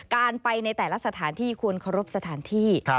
การไปในแต่ละสถานที่ควรเคารพสถานที่